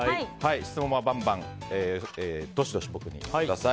質問はどしどし僕にください。